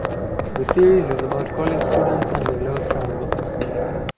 The series is about college students and their love triangles.